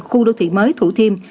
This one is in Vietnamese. khu đô thị mới thủ thiêm